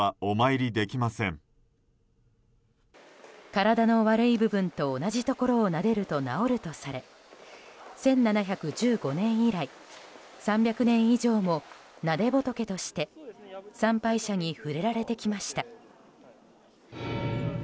体の悪い部分と同じところをなでると治るとされ１７１５年以来、３００年以上もなで仏として参拝者に触れられてきました。